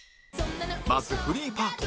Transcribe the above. まずフリーパート